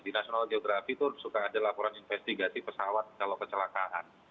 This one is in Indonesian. di national geografi itu suka ada laporan investigasi pesawat kalau kecelakaan